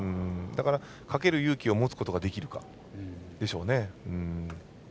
だから、かける勇気を持つことができるかでしょうね。